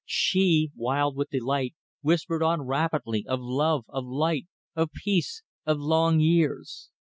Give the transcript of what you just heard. She, wild with delight, whispered on rapidly, of love, of light, of peace, of long years.